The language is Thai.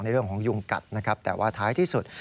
เรื่องของยุงกัดนะครับแต่ว่าท้ายที่สุด